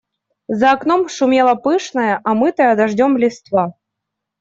За окном шумела пышная, омытая дождем листва.